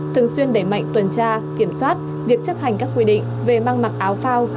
thường xuyên để mạnh tuần tra kiểm soát việc chấp hành các quy định về mang mặc áo phao